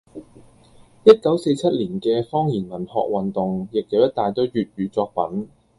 一九四七年嘅方言文學運動亦有一大堆粵語作品